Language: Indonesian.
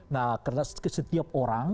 nah karena setiap orang